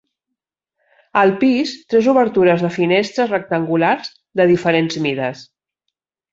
Al pis, tres obertures de finestres rectangulars de diferents mides.